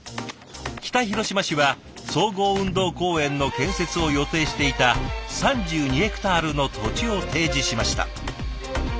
北広島市は総合運動公園の建設を予定していた３２ヘクタールの土地を提示しました。